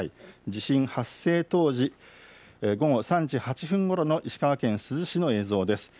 地震発生当時、午後３時８分ごろの石川県珠洲市の映像です。